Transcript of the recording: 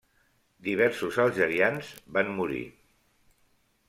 Diversos algerians van morir.